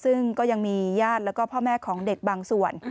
ซึ่งก็ยังมีญาติแล้วก็พ่อแม่ของเด็กบางส่วน